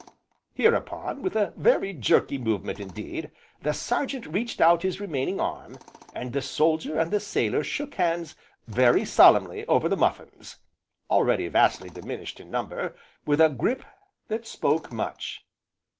Hereupon, with a very jerky movement indeed, the Sergeant reached out his remaining arm, and the soldier and the sailor shook hands very solemnly over the muffins (already vastly diminished in number) with a grip that spoke much.